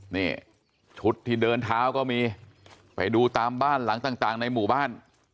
นี่ชุดที่เดินเท้าก็มีไปดูตามบ้านหลังต่างในหมู่บ้าน